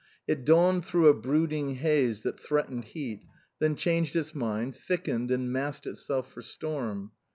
It dawned through a brooding haze that threatened heat, then changed its mind, thickened and massed itself for storm.